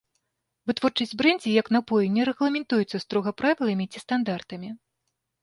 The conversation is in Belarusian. Вытворчасць брэндзі як напою не рэгламентуецца строга правіламі ці стандартамі.